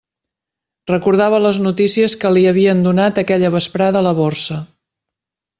Recordava les notícies que li havien donat aquella vesprada a la Borsa.